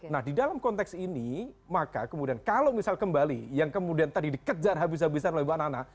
nah di dalam konteks ini maka kemudian kalau misal kembali yang kemudian tadi dikejar habis habisan oleh mbak nana